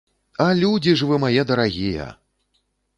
А людзі ж вы мае дарагія!